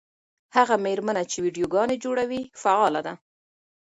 هغه مېرمنه چې ویډیوګانې جوړوي فعاله ده.